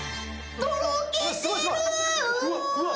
とろけてる、うわ。